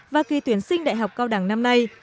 và kỳ tuyển sinh đại học cao đẳng năm nay